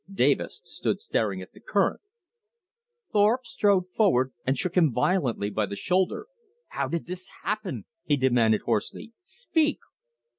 Davis stood staring at the current. Thorpe strode forward and shook him violently by the shoulder. "How did this happen?" he demanded hoarsely. "Speak!"